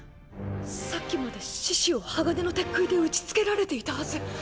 さっきまで四肢を鋼の鉄杭で打ちつけられていたはず。